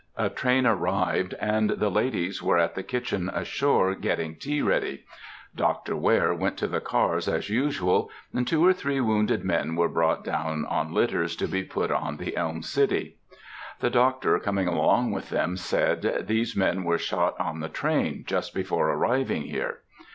A train arrived, and the ladies were at the kitchen ashore getting tea ready. Dr. Ware went to the cars, as usual, and two or three wounded men were brought down on litters, to be put on the Elm City. The doctor coming along with them said, "These men were shot on the train, just before arriving here."